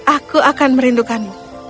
aku akan merindukanmu